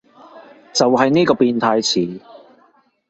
就係呢個變態詞